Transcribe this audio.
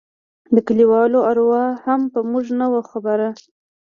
د كليوالو اروا هم په موږ نه وه خبره.